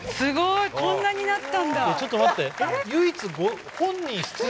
ちょっと待って。